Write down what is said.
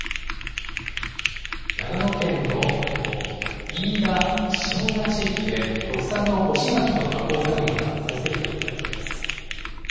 長野県の飯田下伊那地域で特産の干し柿の加工作業が最盛期を迎えています。